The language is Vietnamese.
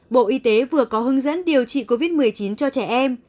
bộ y tế vừa có hướng dẫn điều trị covid một mươi chín cho trẻ em